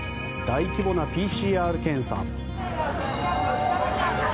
大規模なＰＣＲ検査。